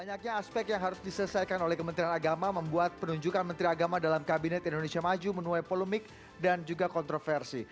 banyaknya aspek yang harus diselesaikan oleh kementerian agama membuat penunjukan menteri agama dalam kabinet indonesia maju menuai polemik dan juga kontroversi